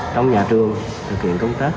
trong nhà trường thực hiện công tác